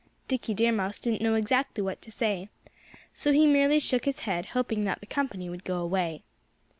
Dickie Deer Mouse didn't know exactly what to say. So he merely shook his head, hoping that the company would go away.